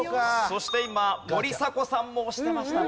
そして今森迫さんも押してましたね。